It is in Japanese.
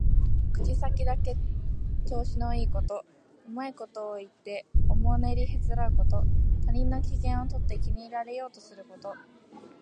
口先だけで調子のいいこと、うまいことを言っておもねりへつらうこと。他人の機嫌をとって気に入られようとすること。